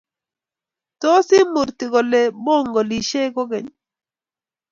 Tos, imurti kole mengolishei kogeny?